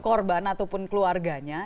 korban ataupun keluarganya